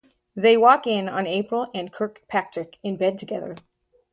They walk in on April and Kirkpatrick in bed together.